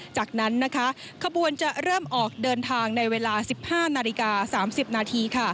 จากนั้นขบวนจะเริ่มออกเดินทางในเวลา๑๕นาฬิกา๓๐นาที